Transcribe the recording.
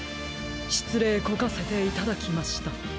しつれいこかせていただきました。